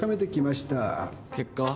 結果は？